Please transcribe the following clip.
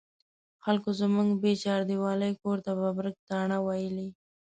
خلکو زموږ بې چاردیوالۍ کور ته ببرک تاڼه ویلې.